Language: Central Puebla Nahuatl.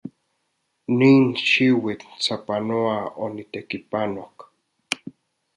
Nin xiuitl sapanoa onitekipanok.